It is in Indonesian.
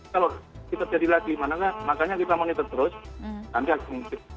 kalau kita jadi lagi makanya kita monitor terus nanti akan bisa